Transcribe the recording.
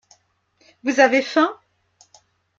Vous avez faim?